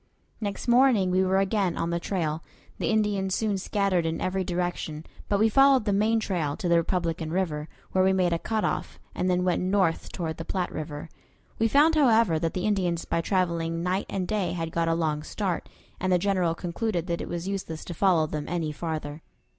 Next morning we were again on the trail. The Indians soon scattered in every direction, but we followed the main trail to the Republican River, where we made a cut off, and then went north toward the Platte River. We found, however, that the Indians by traveling night and day had got a long start, and the General concluded that it was useless to follow them any farther.